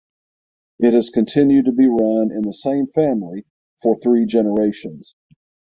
It has continued to be run in the same family for three generations.